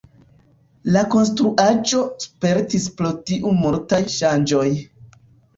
La konstruaĵo spertis pro tio multaj ŝanĝoj.